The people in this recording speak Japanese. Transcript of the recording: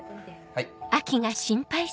はい。